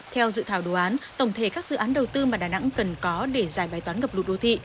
theo dự thảo đồ án tổng thể các dự án đầu tư mà đà nẵng cần có để giải bài toán ngập lụt đô thị